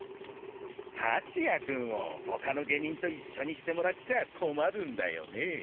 蜂谷君を他の下忍と一緒にしてもらっちゃ困るんだよねえ